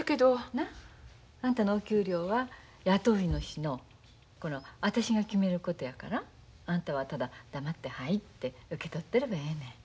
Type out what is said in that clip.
なっ？あんたのお給料は雇い主のこの私が決めることやからあんたはただ黙って「はい」って受け取ってればええねん。